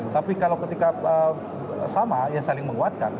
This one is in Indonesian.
tapi kalau ketika sama ya saling menguatkan